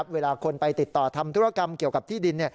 เวลาคนไปติดต่อทำธุรกรรมเกี่ยวกับที่ดิน